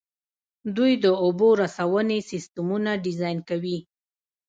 دوی د اوبو رسونې سیسټمونه ډیزاین کوي.